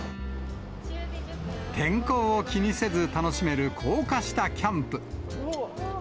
天候を気にせず楽しめる高架下キャンプ。